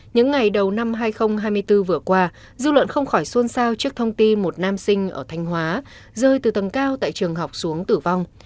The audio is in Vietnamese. những ngày đầu năm hai nghìn hai mươi bốn vừa qua dư luận không khỏi xôn xao trước thông tin một nam sinh ở thanh hóa rơi từ tầng cao tại trường học xuống tử vong